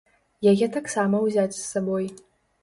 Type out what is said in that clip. Яе таксама ўзяць з сабой.